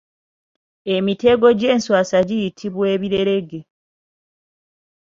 Emitego gy’enswaswa giyitibwa Ebirerege.